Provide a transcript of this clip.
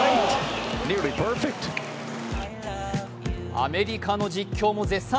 アメリカの実況も絶賛。